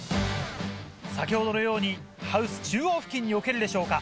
先ほどのようにハウス中央付近に置けるでしょうか。